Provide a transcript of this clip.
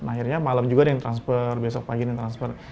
akhirnya malam juga ada yang transfer besok pagi ada yang transfer